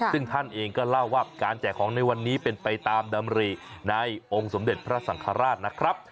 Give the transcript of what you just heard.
ซึ่งท่านเองก็เล่าว่าการแจกของในวันนี้เป็นไปตามดำริในองค์สมเด็จพระสังฆราชนะครับ